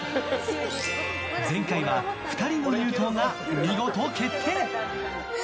前回は２人の入党が見事決定。